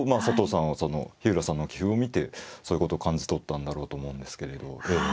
佐藤さんは日浦さんの棋譜を見てそういうことを感じ取ったんだろうと思うんですけれどもね。